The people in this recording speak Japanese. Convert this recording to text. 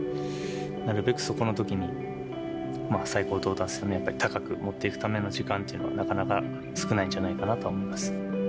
なるべくそこのときに、最高到達点を高く持っていくための時間というのは、なかなか少ないんじゃないかなとは思います。